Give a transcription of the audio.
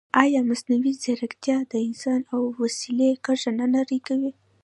ایا مصنوعي ځیرکتیا د انسان او وسیلې کرښه نه نری کوي؟